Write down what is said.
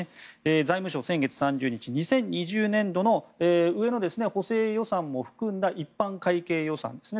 財務省、先月３０日２０２０年度の上の補正予算も含んだ一般会計予算ですね